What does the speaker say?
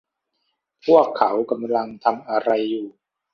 พวกเขากำลังทำอะไรอยู่